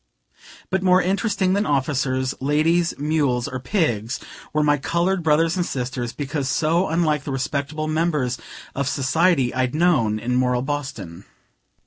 But more interesting than officers, ladies, mules, or pigs, were my colored brothers and sisters, because so unlike the respectable members of society I'd known in moral Boston.